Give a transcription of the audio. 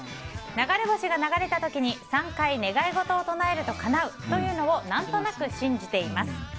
流れ星が流れた時に３回願い事を唱えるとかなうというのを何となく信じています。